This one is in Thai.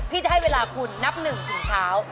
พี่จะให้เวลาคุณนับหนึ่งถึงเช้า